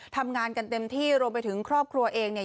ทำงานกันเต็มที่รวมไปถึงครอบครัวเองเนี่ย